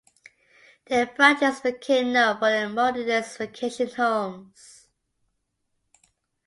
Their practice became known for their modernist vacation homes.